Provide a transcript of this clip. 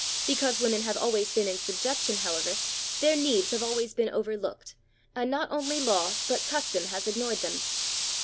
Because women have always been in subjection, however, their needs have always been overlooked, and not only law but custom has ignored them.